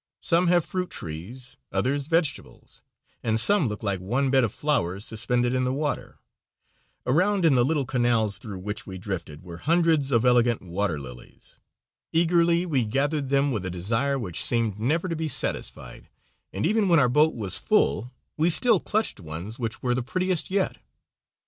Some have fruit trees, others vegetables and some look like one bed of flowers suspended in the water. Around in the little canals through which we drifted, were hundreds of elegant water lilies. Eagerly we gathered them with a desire which seemed never to be satisfied, and even when our boat was full we still clutched ones which were "the prettiest yet."